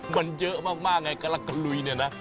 มันเยอะมากไงก็กลรักกลุ่ยนี่นะ